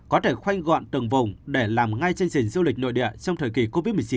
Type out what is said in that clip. có thể khoanh gọn từng vùng để làm ngay chương trình du lịch nội địa trong thời kỳ covid một mươi chín